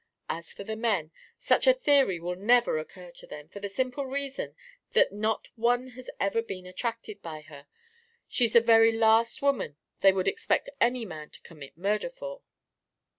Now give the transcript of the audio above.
As for the men, such a theory will never occur to them for the simple reason that not one has ever been attracted by her; she's the very last woman they would expect any man to commit murder for."